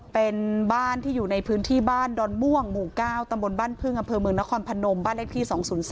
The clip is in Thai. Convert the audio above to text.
เป็นบ้านที่อยู่ในพื้นที่บ้านดม่วงหมู่เก้าตบบพมพนมบเลขที่๒๐๓